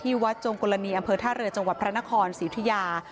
ที่วัดจมกรณีอำเภอท่าเรือจังหวัดพรานครสิทยา